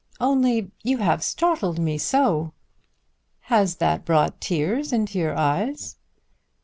"Only you have startled me so." "Has that brought tears into your eyes?"